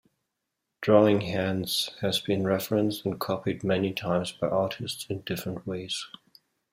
"Drawing Hands" has been referenced and copied many times by artists in different ways.